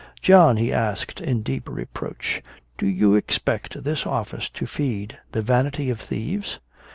"John," he asked, in deep reproach, "do you expect this office to feed the vanity of thieves?"